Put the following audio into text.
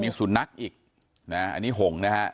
มีสุนัขอีกนะอันนี้หงนะฮะ